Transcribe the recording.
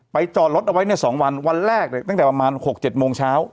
ไปจอดรถเอาไว้เนี้ยสองวันวันแรกเลยตั้งแต่ประมาณหกเจ็ดโมงเช้า